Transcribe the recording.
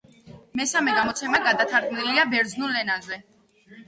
მესამე გამოცემა გადათარგმნილია ბერძნულ ენაზე.